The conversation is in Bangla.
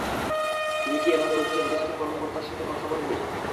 তুমি কি এভাবে উচ্চপদস্থ কর্মকর্তার সাথে কথা বলবে?